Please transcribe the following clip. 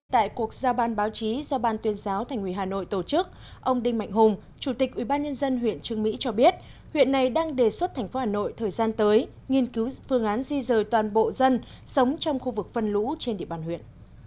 tại cuộc giao ban báo chí do ban tuyên giáo thành ủy hà nội tổ chức ông đinh mạnh hùng chủ tịch ubnd huyện trương mỹ cho biết huyện này đang đề xuất thành phố hà nội thời gian tới nghiên cứu phương án di rời toàn bộ dân sống trong khu vực phân lũ trên địa bàn huyện